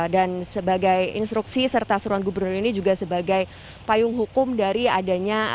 dan sebagai instruksi serta seruan gubernur ini juga sebagai payung hukum dari adanya